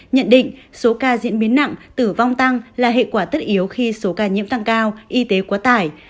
nhận định số ca diễn biến nặng tử vong tăng là hệ quả tất yếu khi số ca nhiễm tăng cao y tế quá tải